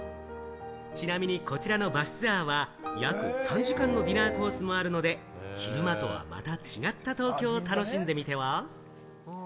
ちなみにこちらのバスツアーは、約３時間のディナーコースもあるので昼間とはまた違った東京を楽しんでみては？